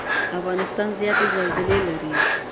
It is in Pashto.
افغانستان زیاتې زلزلې لري.